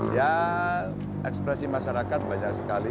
ya ekspresi masyarakat banyak sekali